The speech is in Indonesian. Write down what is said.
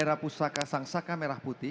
chakra bhavana sikap berderik